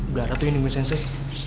belah ratu ini bu sensei